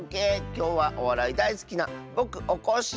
きょうはおわらいだいすきなぼくおこっしぃ